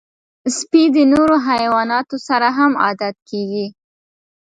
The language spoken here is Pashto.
سپي د نورو حیواناتو سره هم عادت کېږي.